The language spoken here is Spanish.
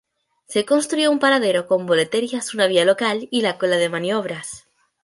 Se construyó un paradero con boleterías, una vía local y la cola de maniobras.